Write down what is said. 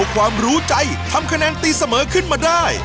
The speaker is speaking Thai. ความรู้ใจทำคะแนนตีเสมอขึ้นมาได้